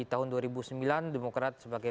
tahun dua ribu sembilan demokrat sebagai